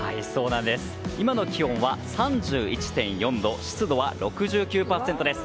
今の気温は３１．４度湿度は６９％です。